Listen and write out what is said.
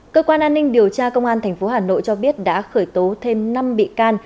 cơ quan an ninh điều tra công an tp hà nội cho biết đã khởi tố thêm năm bị can